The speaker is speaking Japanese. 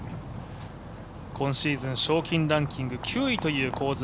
今シーズン賞金ランキング９位という香妻。